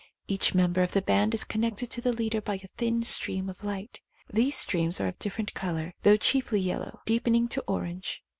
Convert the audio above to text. Each member of the band is connected to the leader by a thin stream of light. These streams are of differ ent colour, though chiefly yellow, deepening to orange.